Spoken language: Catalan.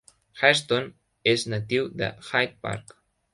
Hairston és natiu de Hyde Park.